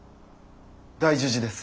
大樹寺です。